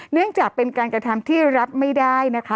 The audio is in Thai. เนื่องจากเป็นการกระทำที่รับไม่ได้นะคะ